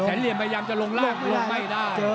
เหลี่ยมพยายามจะลงล่างลงไม่ได้